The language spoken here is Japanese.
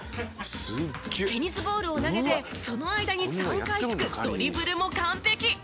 テニスボールを投げてその間に３回つくドリブルも完璧！